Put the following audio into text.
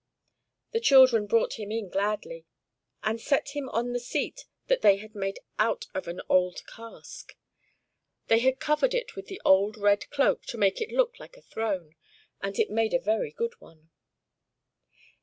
The children brought him in gladly, and set him on the seat that they had made out of an old cask. They had covered it with the old red cloak to make it look like a throne, and it made a very good one.